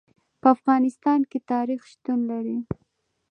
په افغانستان کې تاریخ شتون لري.